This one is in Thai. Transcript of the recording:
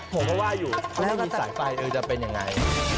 ผมก็ว่าอยู่เขาไม่มีสายไฟดูจะเป็นยังไง